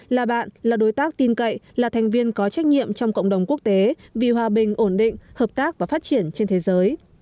là bạn là đối tác tin cậy là thành viên có trách nhiệm trong cộng đồng quốc tế vì hòa bình ổn định hợp tác và phát triển trên thế giới